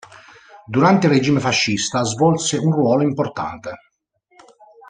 Durante il regime fascista svolse un ruolo importante.